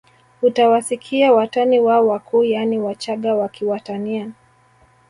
Utawasikia watani wao wakuu yaani Wachaga wakiwatania